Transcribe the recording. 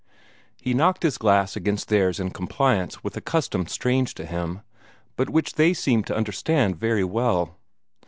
He knocked his glass against theirs in compliance with a custom strange to him, but which they seemed to understand very well.